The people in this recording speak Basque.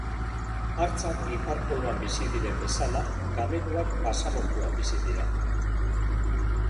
Hartzak ipar-poloan bizi diren bezala gameluak basamortuan bizi dira.